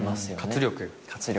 活力。